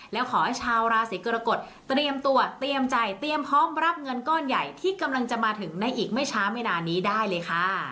แล้วขอให้ชาวราศีกรกฎเตรียมตัวเตรียมใจเตรียมพร้อมรับเงินก้อนใหญ่ที่กำลังจะมาถึงในอีกไม่ช้าไม่นานนี้ได้เลยค่ะ